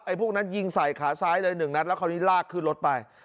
พวกนั้นยิงใส่ขาซ้ายเลยหนึ่งนัดแล้วคราวนี้ลากขึ้นรถไป